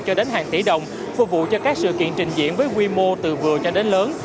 cho đến hàng tỷ đồng phục vụ cho các sự kiện trình diễn với quy mô từ vừa cho đến lớn